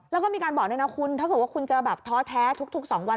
แล้วก็มีการบอกด้วยนะคุณถ้าเกิดว่าคุณจะแบบท้อแท้ทุก๒วัน